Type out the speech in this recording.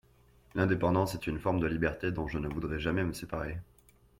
L'indépendance est une forme de liberté dont je ne voudrais jamais me séparer.